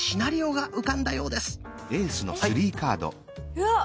うわっ。